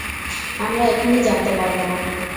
আমরা এখনই জানতে পারব।